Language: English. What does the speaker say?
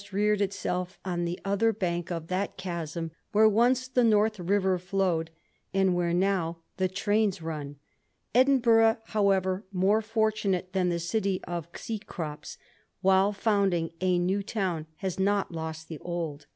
reared itself on the other bank of that chasm where once the North River flowed, and where now the tnuns run. Edinburgh, however, more fortunate than the city of Cecrops, while founding a new town has not lost the old.